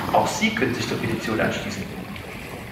Auch Sie können sich der Petition anschließen.